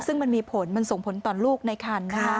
ซึ่งมันมีผลมันส่งผลต่อลูกในคันนะคะ